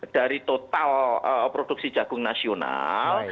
dari total produksi jagung nasional